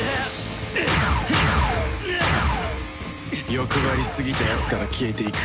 欲張りすぎたやつから消えていく。